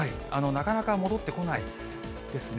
なかなか戻ってこないですね。